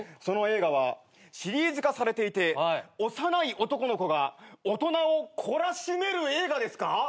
その映画はシリーズ化されていて幼い男の子が大人を懲らしめる映画ですか？